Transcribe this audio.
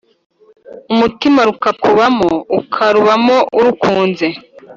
Umutima rukakubamo ukarubamo urukunze